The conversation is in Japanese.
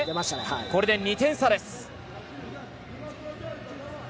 これで２点差です。